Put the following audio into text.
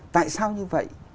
tại sao như vậy